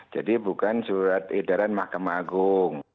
jadi bukan surat edaran mahkamah agung